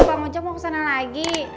bang ojak mau kesana lagi